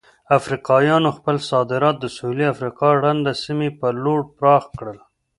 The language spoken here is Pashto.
افریقایانو خپل صادرات د سویلي افریقا رنډ سیمې په لور پراخ کړل.